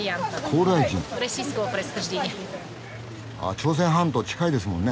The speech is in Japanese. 朝鮮半島近いですもんね。